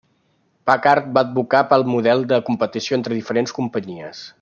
Packard va advocar pel model de competició entre diferents companyies.